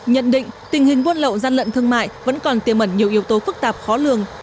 nhận định tình hình buôn lậu gian lận thương mại vẫn còn tiềm ẩn nhiều yếu tố phức tạp khó lường